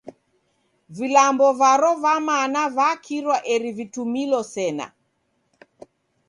Vilambo varo va mana vakirwa eri vitumilo sena.